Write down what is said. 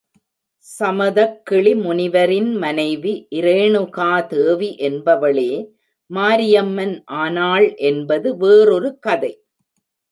சமதக்கிளி முனிவரின் மனைவி இரேணுகா தேவி என்பவளே மாரியம்மன் ஆனாள் என்பது வேறொரு கதை.